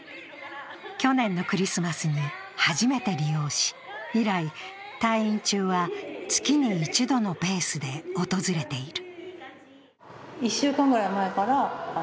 去年のクリスマスに初めて利用し以来、退院中は月に１度のペースで訪れている。